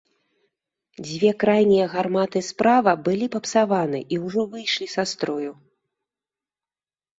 Дзве крайнія гарматы справа былі папсаваны і ўжо выйшлі са строю.